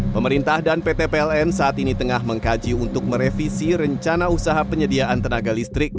pemerintah dan pt pln saat ini tengah mengkaji untuk merevisi rencana usaha penyediaan tenaga listrik